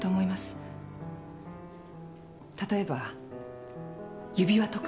例えば指輪とか。